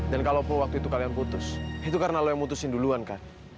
dan kalau waktu itu kalian putus itu karena lo yang putusin duluan kan